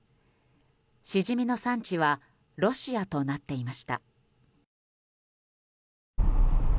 シジミの産地はロシアとなっていました。